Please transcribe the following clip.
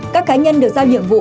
các cá nhân được giao nhiệm vụ